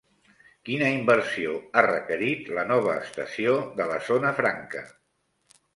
Quina inversió ha requerit la nova estació de la Zona Franca?